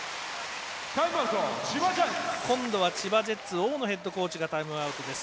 今度は千葉ジェッツ大野ヘッドコーチがタイムアウトです。